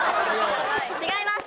違います！